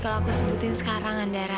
kalau aku sebutin sekarang antara